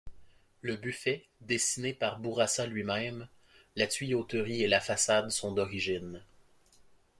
Le buffet, dessiné par Bourassa lui-même, la tuyauterie et la façade sont d'origine.